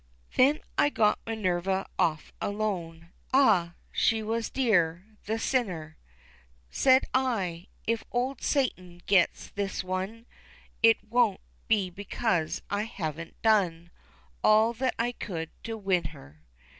Then I got Minerva off alone, Ah, she was dear, the sinner, Said I, if old Satan gets this one It won't be because I haven't done All that I could to win her.